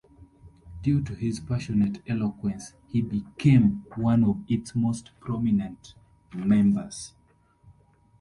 Due to his passionate eloquence he became one of its most prominent members.